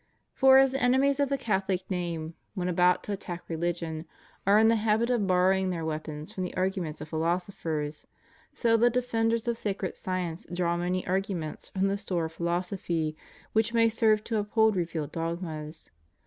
^ For as the enemies of the Catholic name, when about to attack reUgion, are in the habit of borrowing their weapons from the arguments of philosophers, so the defenders of sacred science draw many arguments from the store of philosophy which may serve to uphold re vealed dogmas.